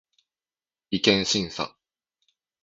違憲審査